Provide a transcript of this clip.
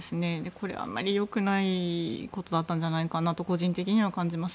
これはあまりよくないことだったんじゃないかなと個人的には感じます。